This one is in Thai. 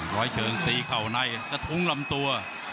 ร้อยเชิงตีเข่าในกระทุ้งลำตัว